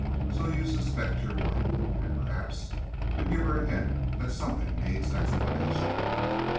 So you suspect your wife. And perhaps you give her a hint that something needs explanation.